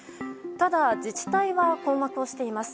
ただ自治体は困惑をしています。